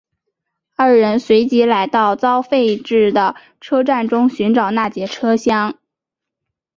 二人随即来到遭废置的车站中寻找那节车厢。